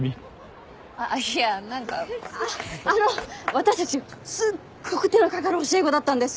私たちすっごく手の掛かる教え子だったんですよ。